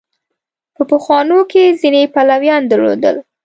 په پخوانو کې ځینې پلویان درلودل.